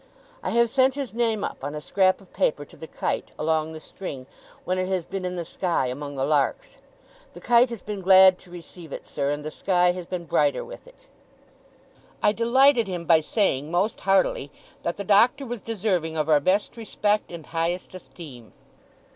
I have sent his name up, on a scrap of paper, to the kite, along the string, when it has been in the sky, among the larks. The kite has been glad to receive it, sir, and the sky has been brighter with it.' I delighted him by saying, most heartily, that the Doctor was deserving of our best respect and highest esteem.